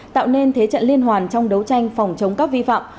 tạo nên thế trận liên hoàn trong đấu tranh phòng chống các vi phạm